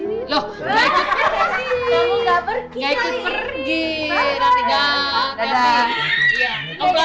pelan pelan jalanin di